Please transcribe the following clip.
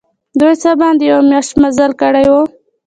دوی څه باندي یوه میاشت مزل کړی وو.